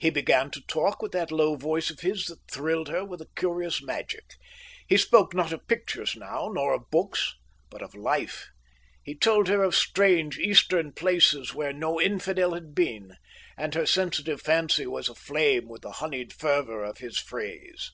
He began to talk with that low voice of his that thrilled her with a curious magic. He spoke not of pictures now, nor of books, but of life. He told her of strange Eastern places where no infidel had been, and her sensitive fancy was aflame with the honeyed fervour of his phrase.